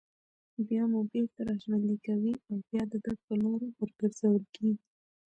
بيا مو بېرته راژوندي كوي او بيا د ده په لور ورگرځول كېږئ